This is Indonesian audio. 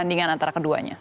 pendingan antara keduanya